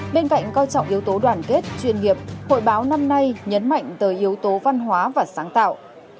bên cạnh coi trọng yếu tố đoàn kết chuyên nghiệp hội báo năm nay nhấn mạnh tới yếu tố văn hóa và sáng tạo